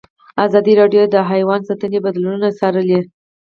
ازادي راډیو د حیوان ساتنه بدلونونه څارلي.